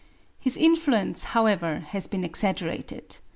His influence, however, has been exaggerated.